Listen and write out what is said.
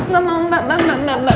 gak mau mbak